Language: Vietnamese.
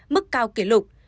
mức cao kỷ lục